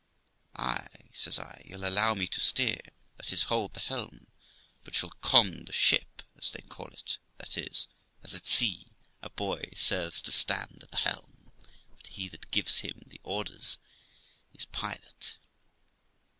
'Ay', says I, "you'll allow me to steer that is, hold the helm; but you'll con the ship, as they call it; that is, as at sea, a boy serves to stand at the helm, but he that gives him the orders is pilot.'